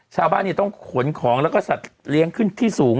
ชาวบ้านต้องขนของแล้วก็สัตว์เลี้ยงขึ้นที่สูง